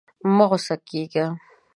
مه غوسه کېږه!